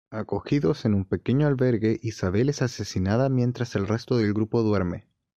Acogidos en un pequeño albergue, Isabel es asesinada mientras el resto del grupo duerme.